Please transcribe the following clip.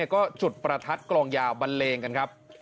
ก็จุดประทัดกลองยาวบันเลงกันครับ